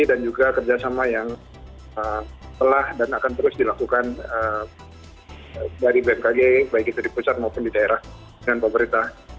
dan juga kerjasama yang telah dan akan terus dilakukan dari bmkg baik itu di pusat maupun di daerah dengan pemerintah